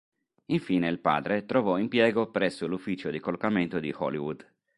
Infine il padre trovò impiego presso l'Ufficio di collocamento di Hollywood.